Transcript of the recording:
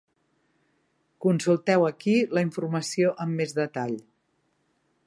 Consulteu aquí la informació amb més detall.